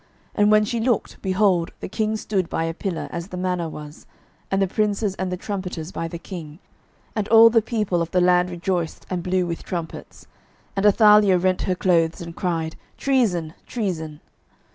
12:011:014 And when she looked, behold, the king stood by a pillar, as the manner was, and the princes and the trumpeters by the king, and all the people of the land rejoiced, and blew with trumpets: and Athaliah rent her clothes, and cried, Treason, Treason.